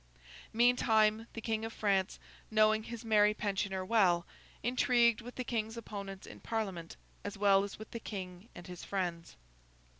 Meantime, the King of France, knowing his merry pensioner well, intrigued with the King's opponents in Parliament, as well as with the King and his friends.